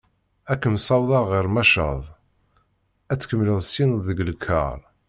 Ad kem-ssawḍeɣ ɣer Machad ad tkemmleḍ syen deg lkaṛ.